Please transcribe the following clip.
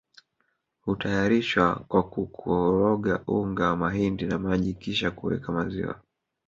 hutayarishwa kwa kukologa unga wa mahindi na maji kisha kuweka maziwa